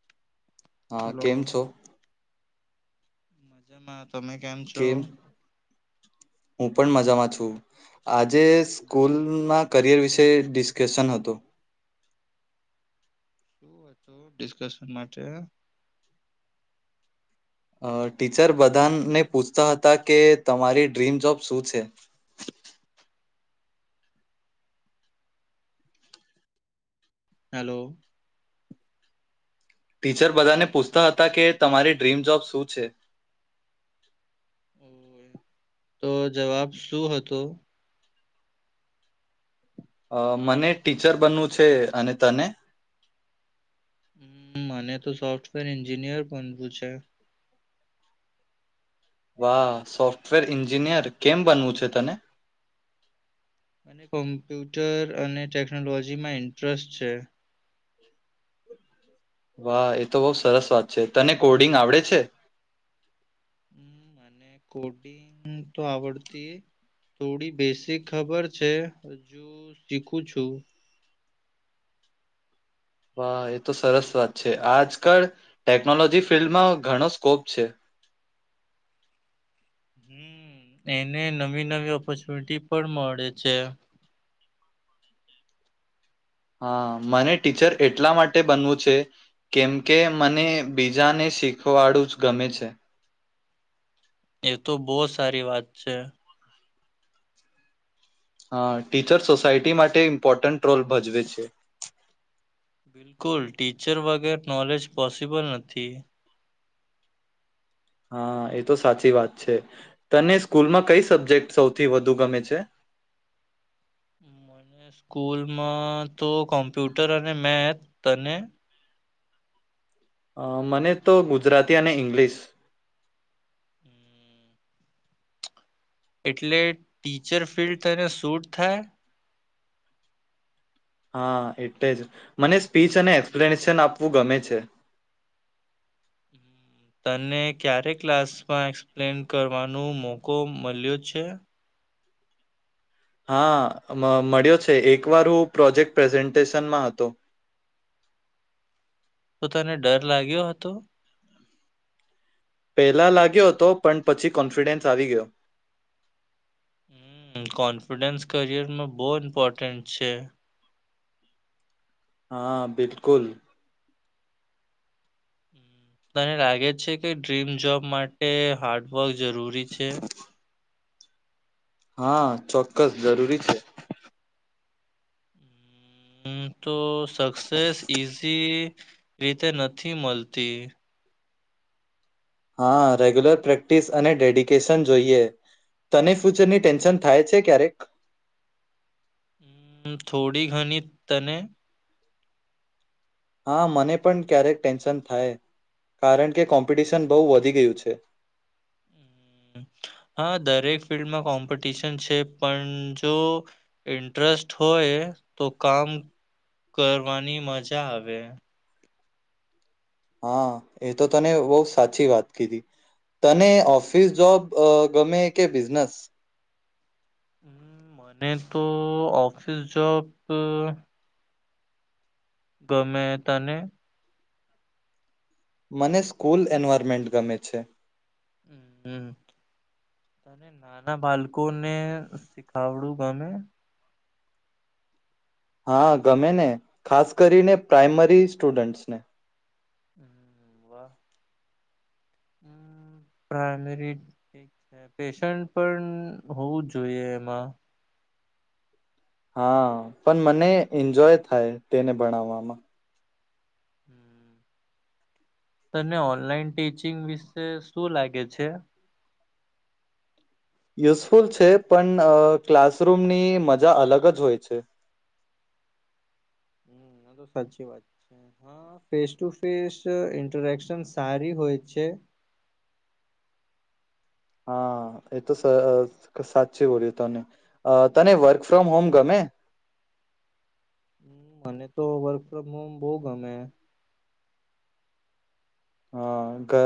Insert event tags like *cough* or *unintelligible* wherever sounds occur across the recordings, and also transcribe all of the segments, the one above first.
*inaudible* હા, હલો કેમ છો? મજામાં તમે કેમ છો? હું પણ મજામાં છું. આજે સ્કૂલમાં કરિયર વિશે ડિસ્કશન હતુ. શું હતું ડિસ્કશન માટે? અ ટીચર બધાને પૂછતા હતા, કે તમારી ડ્રીમ જોબ શું છે? હલો ટીચર બધાને પૂછતા હતા કે, તમારી ડ્રીમ જોબ શું છે? તો જવાબ શું હતો? અ મને ટીચર બનવું છે અને તને હમ અ. મને તો સોફ્ટવેર એન્જિનિયર બનવું છે. વાહ. સોફ્ટવેર એન્જિનિયર કેમ બનવું છે તને? મને કોમ્પ્યુટર અને ટેકનોલોજીમાં ઇન્ટરેસ્ટ છે. વાહ, એ તો બો સરસ વાત છે. તને કોડિંગ આવડે છે. હમ અ. મને કોડિંગ તો આવડતી થોડી બેસીક ખબર છે હજુ શીખું છું. વાહ, એ તો સરસ વાત છે. આજકાલ ટેકનોલોજી ફિલ્ડમાં ઘણો સ્કોપ છે. હમ અ એને નવી નવી ઓપોર્ચુનિટી પણ મળે છે. હા. મને ટીચર એટલા માટે બનવું છે, કેમ કે મને બીજાને શીખવાડું જ ગમે છે. એ તો બો સારી વાત છે. હા, ટીચર સોસાયટી માટે ઇમ્પોર્ટન્ટ રોલ ભજવે છે. બિલકુલ, ટીચર વગર નોલેજ પોસિબલ નથી. હા, એ તો સાચી વાત છે. તને સ્કૂલમાં કઈ સબ્જેક્ટ સૌથી વધુ ગમે છે? મને સ્કૂલમાં તો કોમ્પ્યુટર અને મેથ. તને? અ મને તો ગુજરાતી અને ઇંગ્લિશ. એટલે ટીચર ફિલ્ડ તને શૂટ થાય. હા, એટલે જ મને સ્પીચ અને એક્સપ્લેનેશન આપવું ગમે છે. તને ક્યારે ક્લાસમાં એક્સપ્લેન કરવાનો મોકો મળ્યો છે? હા મળ્યો છે, એક વાર હું પ્રોજેક્ટ પ્રેઝન્ટેશનમાં હતો તો તને ડર લાગ્યો હતો? પહેલા લાગ્યો હતો પણ પછી કોન્ફિડન્સ આવી ગયો. હમ કોન્ફિડન્સ કરિયરમાં બહુ ઇમ્પોર્ટન્ટ છે. હા બિલકુલ તને લાગે છે કે ડ્રીમ જોબ માટે હાર્ડવર્ક જરૂરી છે? હા ચોક્કસ જરૂરી છે. હમ તો સક્સેસ ઈઝી રીતે નથી મળતી. હા, રેગ્યુલર પ્રેક્ટિસ અને ડેડિકેશન જોઈએ. તને ફ્યુચરની ટેન્શન થાય છે ક્યારેક? હમ થોડી ઘણી. તને? હા મને પણ ક્યારેક ટેન્શન થાય, કારણ કે કોમ્પિટિશન બહુ વધી ગયું છે. હમ, હા, દરેક ફિલ્ડમાં કોમ્પિટિશન છે. પણ જો ઇન્ટરેસ્ટ હોય તો કામ કરવાની મજા આવે. હા એ તો તમે બવ સાચી વાત કીધી. તને ઓફિસ જોબ ગમે કે બિઝનેસ? હમ, મને તો ઓફિસ જોબ ગમે. તને? મને સ્કૂલ એન્વાયરમેન્ટ ગમે છે. હમ્મ, તને નાના બાળકોને શીખાવડું ગમે? હા ગમે ને, ખાસ કરીને પ્રાઈમરી સ્ટુડન્ટસને. વાહ. પ્રાઈમરી *unintelligible* પૅશન પણ હોવું જ જોઈએ એમાં. હા પણ મને એન્જોય થાય તેને ભણાવવામાં. *inaudible* તને ઓનલાઈન ટીચિંગ વિશે શું લાગે છે? યુઝફુલ છે પણ ક્લાસરૂમની મજા અલગ જ હોય છે. હમ આ તો સાચી વાત છે. હા ફેસ ટુ ફેસ ઇન્ટરેક્શન સારી હોય છે. હા, એ તો સ સાચી બોલ્યા તમે. અ તને વર્ક ફ્રોમ હોમ ગમે? હમ્મ, મને તો વર્ક ફ્રોમ હોમ બહ ગમે. હા ઘ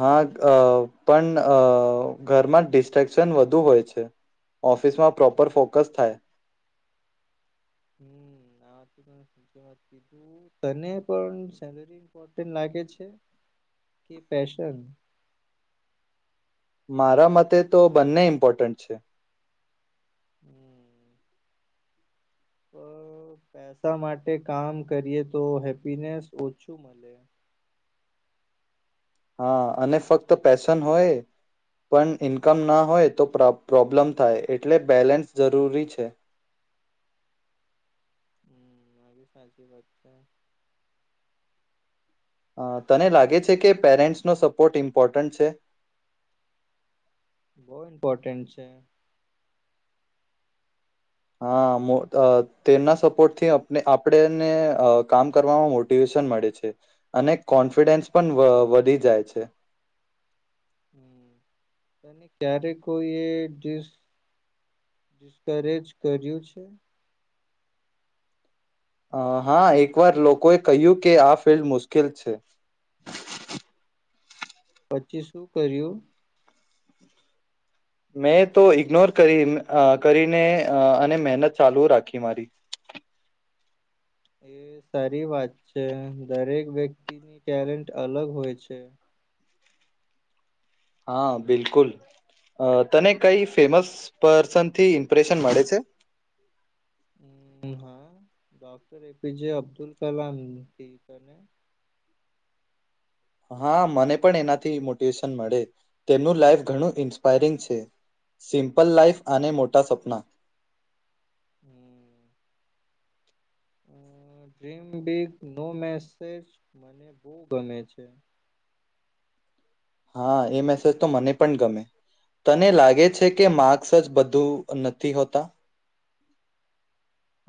હા અ પણ અ ઘરમાં ડિસ્ટ્રેક્શન વધુ હોય છે. ઓફિસમાં પ્રોપર ફોકસ થાય. હમ *unintelligible* તને પણ સેલરી ઈમ્પોર્ટન્ટ લાગે છે? કે પેશન? મારા મતે તો બંને ઇમ્પોર્ટન્ટ છે. હમ્મ. અ પેસા માટે કામ કરીએ તો હેપીનેસ ઓછું મળે. હા, અને ફક્ત પેશન હોય પણ ઈન્કમ ના હોય તો પ્રો પ્રોબ્લેમ થાય એટલે બેલેન્સ જરૂરી છે. *unintelligible* આ, તને લાગે છે કે પેરેન્ટ્સનો સપોર્ટ ઈમ્પોર્ટન્ટ છે? બહુ ઇમ્પોર્ટેન્ટ છે. હા મો અ તેમના સપોર્ટથી આપને આપણેને કામ કરવામાં મોટિવેશન મળે છે અને કોન્ફિડન્સ પણ વ વધી જાય છે. તને ક્યારે કોઈ એ ડિસ્કરેજ કર્યું છે? અ હા, એકવાર લોકોએ કહ્યું કે આ ફિલ્ડ મુશ્કેલ છે. પછી શું કર્યું? મેં તો ઈગ્નોર કરી અ કરીને અ અને મહેનત ચાલુ રાખી મારી. એ સારી વાત છે દરેક વ્યક્તિની ટેલેન્ટ અલગ હોય છે. હા બિલકુલ, અ તને કઈ ફેમસ પર્સન થી ઇમ્પ્રેશન મળે છે? હમ, હા ડોક્ટર એપીજે અબ્દુલ કલામ થી બને. હા મને પણ એનાથી ઇ મોટિવેશન મળે તેમનું લાઈફ ઘણું ઇન્સ્પાયરિંગ છે. સિમ્પલ લાઈફ અને મોટા સપના. હમ્મ. અ ડ્રીમ બિગ નો મેસેજ મને બવ ગમે છે. હા, એ મેસેજ તો મને પણ ગમે. તને લાગે છે કે માર્ક્સ જ બધું નથી હોતા?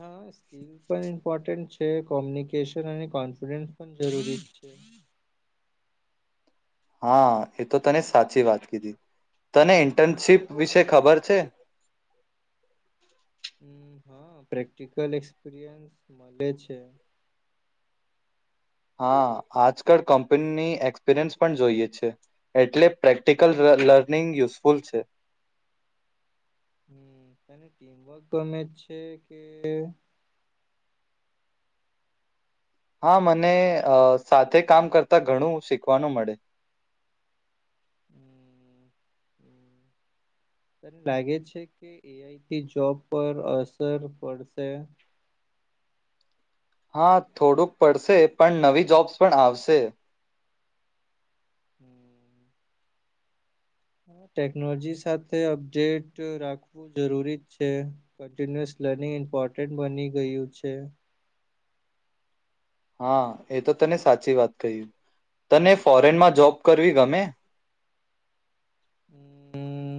હા સ્કીલ પણ ઇમ્પોર્ટન્ટ છે કોમ્યુનિકેશન અને કોન્સિડ્રંટ પણ જરૂરી છે. હા એ તો તને સાચી વાત કીધી, તને ઇન્ટર્નશીપ વિશે ખબર છે? હમ્મ હા પ્રેક્ટિકલ એક્સપિરિયન્સ મળે છે. હા આજકાલ કંપની એક્સપિરિયન્સ પણ જોઈએ છે, એટલે પ્રેક્ટિકલ લ લ લર્નિંગ યુઝફુલ છે. હમ્મ, તને ટીમવર્ક ગમે જ છે કે? હા મને અ સાથે કામ કરતા ઘણું શીખવાનું મળે. તન લાગે છે કે એઆઈટી જોબ પર અસર પડશે? હા થોડુંક પડશે પણ નવી જોબ્સ પણ આવશે. *inaudible* ટેકનોલોજી સાથે અપડેટ રાખવું જરૂરી છે, કન્ટિન્યુસ લર્નિંગ ઇમ્પોર્ટન્ટ બની ગયું છે. હા એ તો તને સાચી વાત કહી, તને ફોરેનમાં જોબ કરવી ગમે? હમ્મ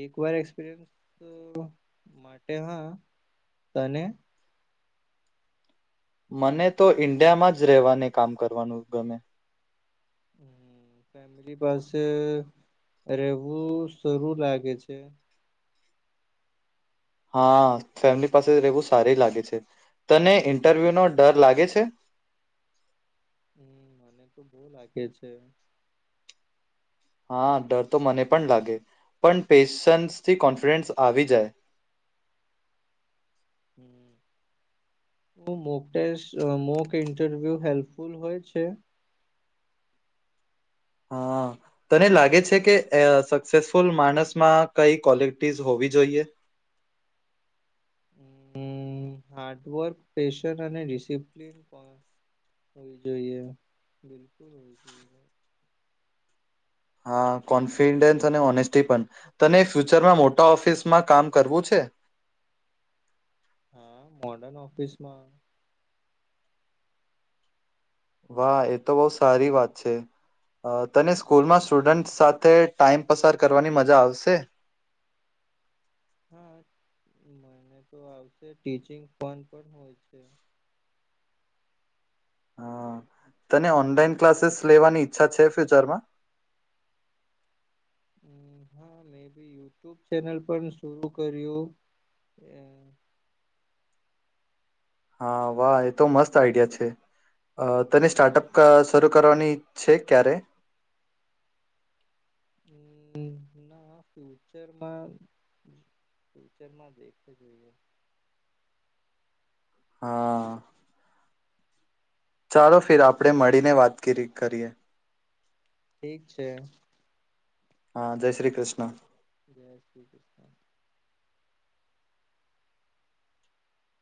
એક વાર એક્સપિરિયન્સ *unintelligible* માટે હા તને? મને તો ઈન્ડિયામાં જ રહેવાને કામ કરવાનું ગમે. ફેમિલી પાસે રહેવું સરું લાગે છે. હા ફેમિલી પાસે રહેવું સારી લાગે છે, તને ઈન્ટરવ્યુ નો ડર લાગે છે? હમ્મ મને તો બહું લાગે છે. હા ડર તો મને પણ લાગે, પણ પેશન્સ થી કોન્ફિડન્સ આવી જાય. શું મોકટેસ મો કે ઇન્ટરવ્યુ હેલ્પફુલ હોય છે? હા તને લાગે છે કે અ સક્સેસફુલ માણસમાં કઈ ક્વોલિટીઝ હોવી જોઈએ? હમ્મ, હાર્ડવર્ક, પેશન અને ડિસિપ્લિન પણ હોવી જોઈએ, બિલકુલ હોવી જોઈએ. હા કોન્ફિડેન્સ અને ઓનેસ્ટી પણ, તને ફ્યુચરમાં મોટા ઓફિસમાં કામ કરવું છે? હા, મોડન ઓફિસ માં. વાહ એ તો બવ સારી વાત છે, તને સ્કૂલમાં સ્ટુડન્ટ સાથે ટાઈમ પસાર કરવાની મજા આવશે? હા, મને તો આવશે ટીચિંગ ફન પણ હોય છે. હા, તને ઓનલાઈન ક્લાસીસ લેવાની ઈચ્છા છે ફ્યુચરમાં? અમ હા મે બી યુટ્યુબ ચેનલ પણ શુરુ કર્યું. હા, વાહ એ તો મસ્ત આઈડિયા છે, અ તેને સ્ટાર્ટઅપ શરૂ કરવાની છે ક્યારે? હમ્મ, ના ફ્યુચરમાં ફ્યુચરમાં દેખવુ જોઈએ. હા. ચાલો ફિર આપણે મળીને વાતગીરી કરીએ. ઠીક છે. હા જય શ્રી કૃષ્ણ. જય શ્રી કૃષ્ણ.